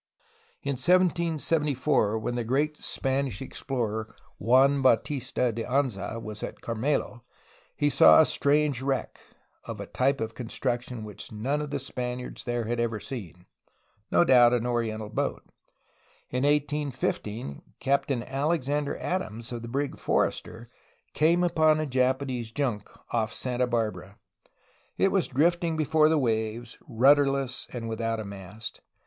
In 1774 when the great Spanish explorer Juan Bautista de Anza was at Carmelo he saw a strange wreck, of a type of construction which none of the Spaniards there had ever seen — no doubt, an oriental boat. In 1815 Captain Alexander Adams of the brig Forrester came upon a Japan ese junk off Santa Barbara. It was drifting before the waves, rudderless and without a mast.